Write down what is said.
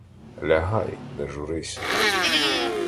— Лягай, не журися.